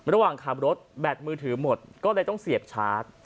ระหว่างขับรถแบตมือถือหมดก็เลยต้องเสียบชาร์จ